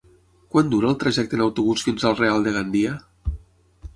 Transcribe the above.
Quant dura el trajecte en autobús fins al Real de Gandia?